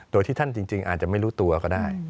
โดยที่ท่านจริงอาจจะไม่รู้ตัวก็ได้